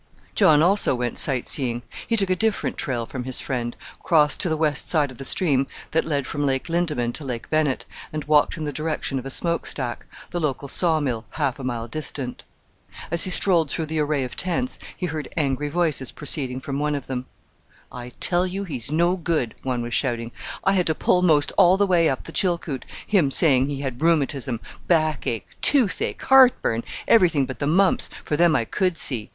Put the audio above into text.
John also went sight seeing. He took a different trail from his friend, crossed to the west side of the stream that led from Lake Lindeman to Lake Bennett, and walked in the direction of a smoke stack, the local saw mill, half a mile distant. As he strolled through the array of tents, he heard angry voices proceeding from one of them. "I tell you he's no good," one was shouting. "I had to pull most all the way up the Chilkoot him saying he had rheumatism, backache, toothache, heartburn everything but the mumps, for them I could see.